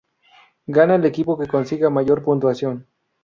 Gana el equipo que consiga mayor puntuación.